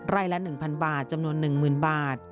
ละ๑๐๐บาทจำนวน๑๐๐๐บาท